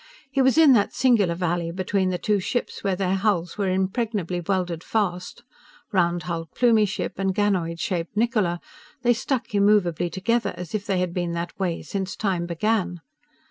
He was in that singular valley between the two ships, where their hulls were impregnably welded fast. Round hulled Plumie ship, and ganoid shaped Niccola, they stuck immovably together as if they had been that way since time began.